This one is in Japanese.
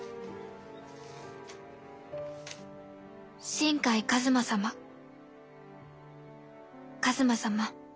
「新海一馬様一馬様